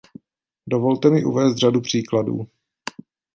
Dovolte mi uvést řadu příkladů.